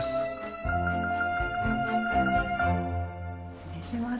失礼します。